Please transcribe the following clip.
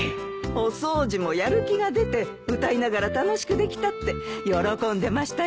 お掃除もやる気が出て歌いながら楽しくできたって喜んでましたよ。